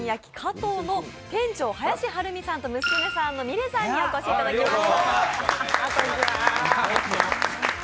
冬の店長、林晴美さんと娘さんの美来さんにお越しいただきました。